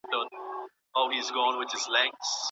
طبي پوهنځۍ په زوره نه تحمیلیږي.